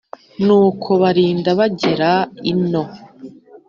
n’uko barinda bagera ino,